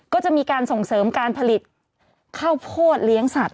ก็จะมีการส่งเสริมการผลิตข้าวโพดเลี้ยงสัตว